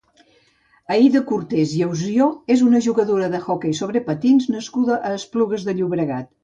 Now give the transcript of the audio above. Aïda Cortés Ausió és una jugadora d'hoquei sobre patins nascuda a Esplugues de Llobregat.